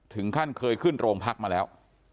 ถึงขั้นเคยขึ้นโรงพักมาแล้ว